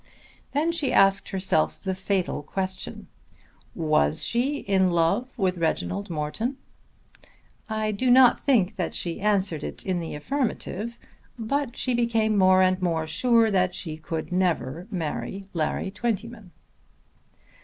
Then she asked herself the fatal question; was she in love with Reginald Morton? I do not think that she answered it in the affirmative, but she became more and more sure that she could never marry Larry Twentyman.